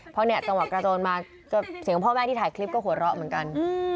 เพราะสมัครกระโจนมาเสียงของพ่อแม่ที่ถ่ายคลิปก็หัวเราะเหมือนกัน